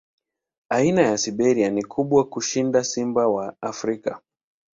Aina ya Siberia ni kubwa kushinda simba wa Afrika.